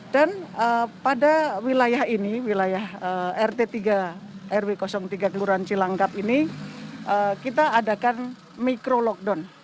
dan pada wilayah ini wilayah rt tiga rw tiga kelurahan cilangkap ini kita adakan mikro lockdown